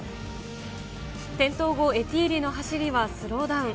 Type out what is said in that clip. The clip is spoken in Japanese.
転倒後、エティーリの走りはスローダウン。